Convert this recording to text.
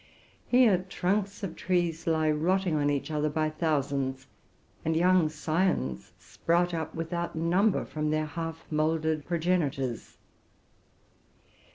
Here trunks of trees lie on each other rotting by thousands, and young scions sprout up without number from their half mouldered progenitors.